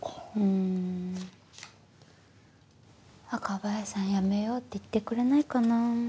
若林さん「やめよう」って言ってくれないかなぁ。